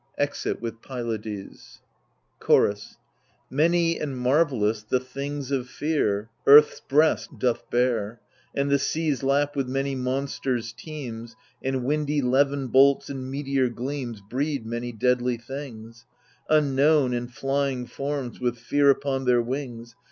[Ext'f with Pylades, Chorus Many and marvellous the things of fear Earth's breast doth bear ; And the sea's lap with many monsters teems. And windy levin bolts and meteor gleams Breed many deadly things — Unknown and flying forms, with fear upon their wings.